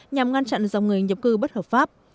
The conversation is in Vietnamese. nhằm ngăn chặn dòng người nhập cư bất hợp pháp